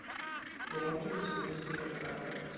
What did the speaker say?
Toronto ist die größte Stadt Kanadas.